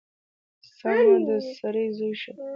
سم د سړي زوی شه!!!